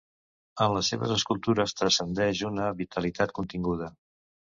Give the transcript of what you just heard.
En les seves escultures transcendeix una vitalitat continguda.